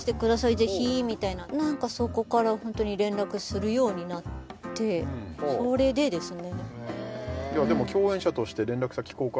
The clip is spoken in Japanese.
ぜひみたいななんかそこから連絡するようになってそれでですね